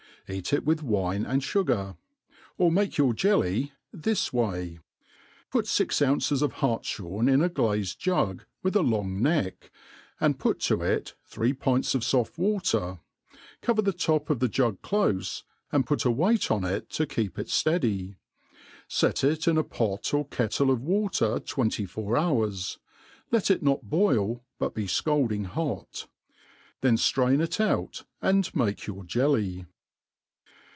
Eat it with wine and fugar. Or make your jelly this way ; put fix ounces of hartfhorn in a glazed jug with a long neck, and put to it three pints of foft water, cover the top of the jug clofe, and put a weight on it to keep it fieady; fet it in a pot or kettle of water twenty four hours, let it not boil, but be fcalding hot ^ then ftrain it out, and make your jelly.